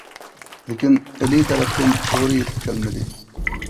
لېكىن ئىلى تەرەپتىن دورا يېتىپ كەلمىدى.